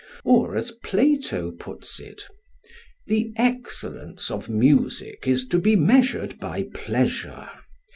Or, as Plato puts it, "the excellence of music is to be measured by pleasure.